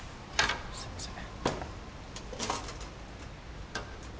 すみません。